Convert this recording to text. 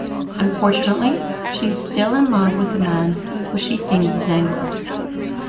Unfortunately, she is still in love with the man who she thinks is Zangler.